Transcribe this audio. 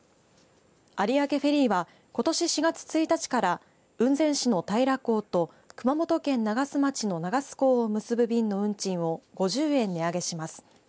有明フェリーはことし４月１日から雲仙市の多比良港と熊本県長洲町の長洲港を結ぶ便の運賃を５０円値上げします。